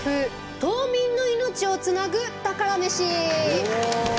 島民の命をつなぐ宝メシ！」。